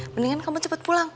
mendingan kamu cepet pulang